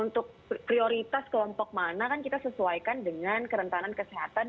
untuk prioritas kelompok mana kan kita sesuaikan dengan kerentanan kesehatan